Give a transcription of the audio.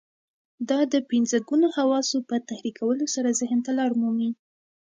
دا د پنځه ګونو حواسو په تحريکولو سره ذهن ته لار مومي.